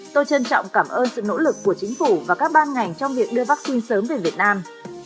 tôi trân trọng cảm ơn sự nỗ lực của chính phủ và các ban ngành trong việc đưa vaccine sớm về việt nam